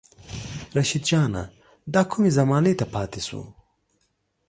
رشيد جانه دا کومې زمانې ته پاتې شو